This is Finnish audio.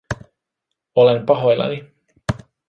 Olen pahoillani